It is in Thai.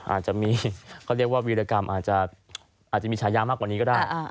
อาจจะมีเขาเรียกว่าวิรกรรมอาจจะมีฉายามากกว่านี้ก็ได้